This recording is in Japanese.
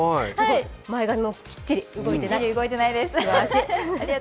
前髪もきっちり動いてないです。